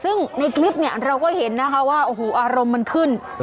ซึ่งในคลิปนี้เราก็เห็นว่าอารมณ์มันขึ้น